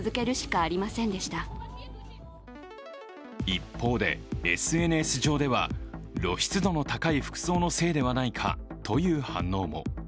一方で、ＳＮＳ上では露出度の高い服装のせいではないかという反応も。